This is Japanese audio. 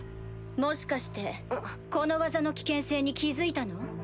もしかしてこの技の危険性に気付いたの？